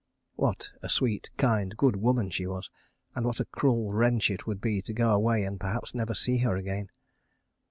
("What a sweet, kind, good woman she was! And what a cruel wrench it would be to go away and perhaps never see her again.